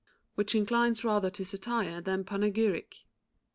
_Which inclines rather to satire than panegyric.